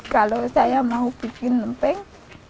kalau saya mau bikin emping